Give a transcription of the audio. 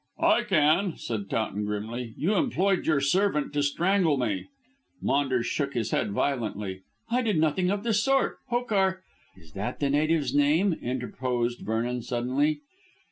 "I can," said Towton grimly. "You employed your servant to strangle me." Maunders shook his head violently. "I did nothing of the sort. Hokar " "Is that the native's name?" interposed Vernon suddenly.